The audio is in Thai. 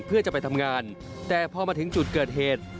เพื่อจะไปทำงานแต่พอมาถึงจุดเกิดเหตุ